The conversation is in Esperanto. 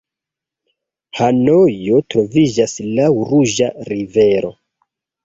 Hanojo troviĝas laŭ Ruĝa rivero.